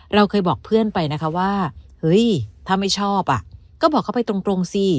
เราเคยบอกเพื่อนไปนะคะว่าเฮ้ยถ้าไม่ชอบอ่ะก็บอกเขาไปตรงสิ